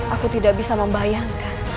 aku tidak bisa membayangkan